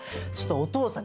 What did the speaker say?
お父さん！